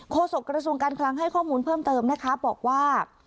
โศกระทรวงการคลังให้ข้อมูลเพิ่มเติมนะคะบอกว่า